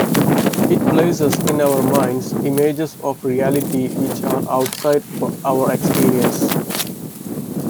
It places in our minds images of reality which are outside our experience.